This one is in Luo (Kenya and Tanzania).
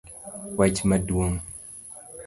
Wach maduong'